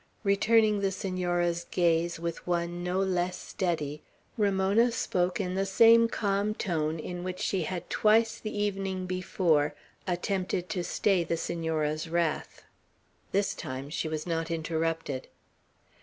Returning the Senora's gaze with one no less steady, Ramona spoke in the same calm tone in which she had twice the evening before attempted to stay the Senora's wrath. This time, she was not interrupted.